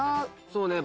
そうね